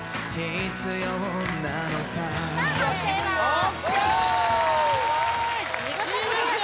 ＯＫいいですよ